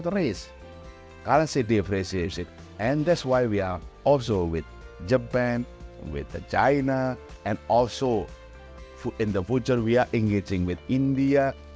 transaksi diperbedakan dan itulah mengapa kita juga dengan jepang dengan china dan juga di masa depan kita berkomunikasi dengan india